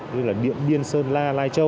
như là điện biên sơn la lai châu